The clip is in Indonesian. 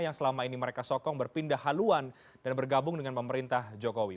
yang selama ini mereka sokong berpindah haluan dan bergabung dengan pemerintah jokowi